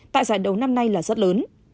tại giải đấu năm nay là rất lớn